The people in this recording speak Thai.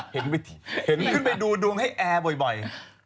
เห็นไปดูดวงให้แคร์บ่อย